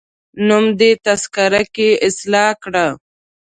نوم دي تذکره کي اصلاح کړه